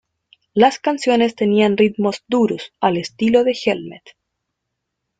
Las canciones tenían ritmos duros, al estilo de Helmet.